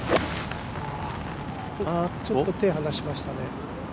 ちょっと手、離しましたね。